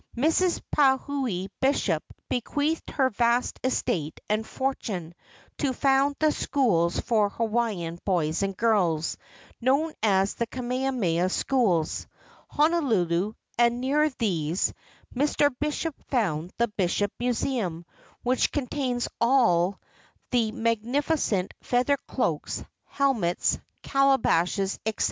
Mrs. Pauahi Bishop bequeathed her vast estate and fortune to found the schools for Hawaiian boys and girls, known as the Kamehameha Schools, Honolulu, and near these Mr. Bishop founded the Bishop Miiseum; which contains all the APPENDIX magnificent feather cloaks, helmets, calabashes, etc.